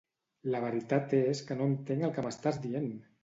La veritat és que no entenc el que m'estàs dient!